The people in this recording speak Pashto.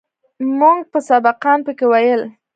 موږ به سبقان پکښې ويل.